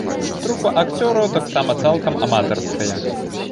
Трупа акцёраў таксама цалкам аматарская.